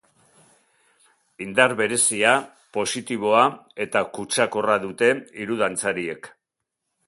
Indar berezia, positiboa eta kutsakorra dute hiru dantzariek.